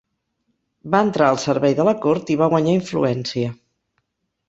Va entrar al servei de la cort i va guanyar influència.